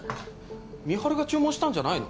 美晴が注文したんじゃないの？